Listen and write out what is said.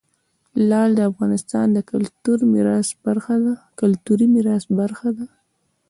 لعل د افغانستان د کلتوري میراث برخه ده.